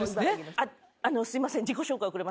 ああすいません。